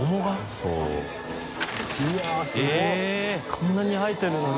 こんなに入ってるのに？